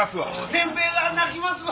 全米が泣きますわ。